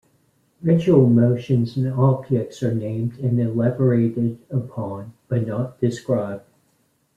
Ritual motions and objects are named and elaborated upon, but not described.